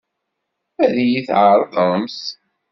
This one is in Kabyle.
Ad iyi-t-tɛeṛḍemt?